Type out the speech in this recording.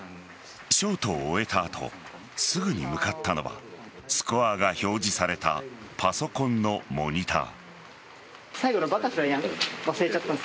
ショートを終えた後すぐに向かったのはスコアが表示されたパソコンのモニター。